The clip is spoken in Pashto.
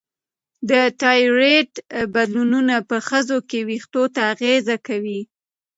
د تایروییډ بدلونونه په ښځو کې وېښتو ته اغېزه کوي.